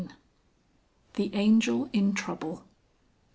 THE ANGEL IN TROUBLE.